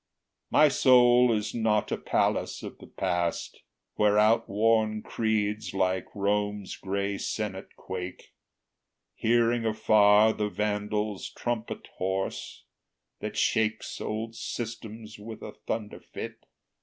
My soul is not a palace of the past, Where outworn creeds, like Rome's gray senate quake, Hearing afar the Vandal's trumpet hoarse, That shakes old systems with a thunder fit.